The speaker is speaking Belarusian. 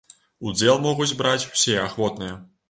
Удзел могуць браць усе ахвотныя.